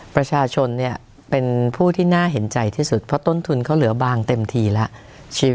ประชาชนเนี่ยเป็นผู้ที่น่าเห็นใจที่สุดเพราะต้นทุนเขาเหลือบางเต็มทีแล้ว